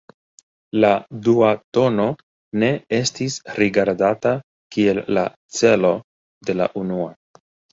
La dua tono ne estis rigardata kiel la 'celo' de la unua.